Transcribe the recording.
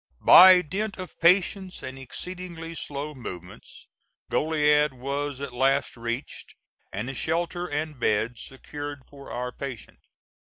By dint of patience and exceedingly slow movements, Goliad was at last reached, and a shelter and bed secured for our patient.